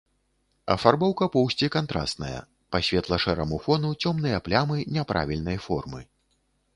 Афарбоўка поўсці кантрасная, па светла-шэраму фону цёмныя плямы няправільнай формы.